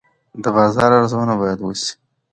د بازار ارزونه باید وشي.